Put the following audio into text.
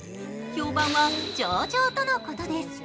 評判は上々とのことです。